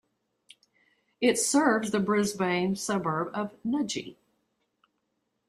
It serves the Brisbane suburb of Nudgee.